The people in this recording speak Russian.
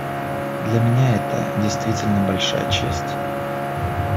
Для меня это, действительно, большая честь.